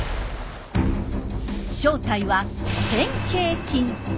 正体は変形菌。